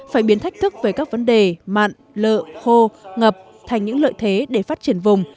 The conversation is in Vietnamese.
phải biến thách thức về các vấn đề mặn lợ khô ngập thành những lợi thế để phát triển vùng